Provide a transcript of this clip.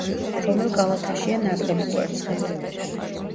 რომელ კალათაშია ნაკლები კვერცხი?